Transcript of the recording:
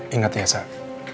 ingat ya zat